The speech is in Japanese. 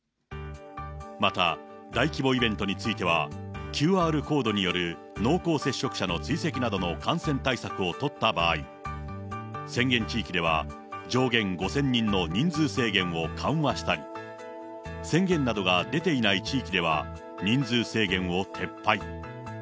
また、大規模イベントについては、ＱＲコードによる濃厚接触者の追跡などの感染対策を取った場合、宣言地域では上限５０００人の人数制限を緩和したり、宣言などが出ていない地域では、人数制限を撤廃。